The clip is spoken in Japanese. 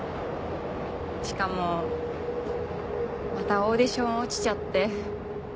しかもまたオーディション落ちちゃって。